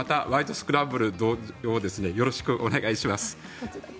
スクランブル」をよろしくお願いします。